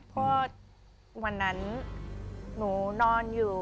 เพราะวันนั้นหนูนอนอยู่